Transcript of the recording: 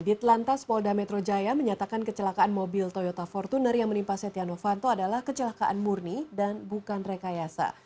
ditlantas polda metro jaya menyatakan kecelakaan mobil toyota fortuner yang menimpa setia novanto adalah kecelakaan murni dan bukan rekayasa